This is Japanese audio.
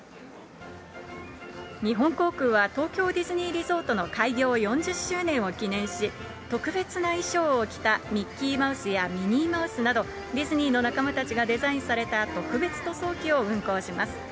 日本航空は東京ディズニーリゾートの開業４０周年を記念し、特別な衣装を着たミッキーマウスやミニーマウスなど、ディズニーの仲間たちがデザインされた特別塗装機を運航します。